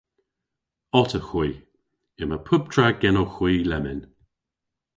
Ottahwi. Yma pub tra genowgh hwi lemmyn.